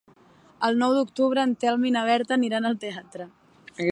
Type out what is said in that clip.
El nou d'octubre en Telm i na Berta aniran al teatre.